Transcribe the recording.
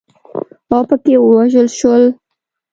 اوپکي ووژل شول.